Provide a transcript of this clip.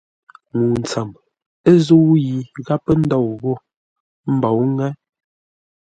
Ŋuu tsəm, ə́ zə̂u yi gháp pə́ ndôu ghô; ə́ mbǒu ŋə́.